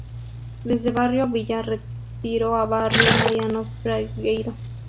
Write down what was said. Desde barrio Villa Retiro a barrio Mariano Fragueiro.